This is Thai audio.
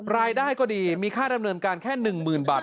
รายได้ก็ดีมีค่าดำเนินการแค่๑๐๐๐บาท